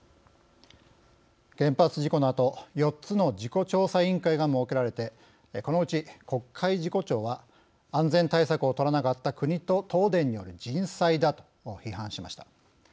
原発事故のあと４つの事故調査委員会が設けられてこのうち、国会事故調は安全対策を取らなかった国と東電による人災だと批判しました。